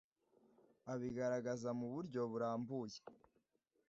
Abigaragaza mu buryo burambuye